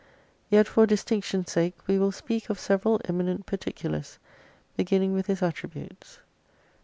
Yet for distinction sake we will speak of several eminent particulars, beginning with His attributes.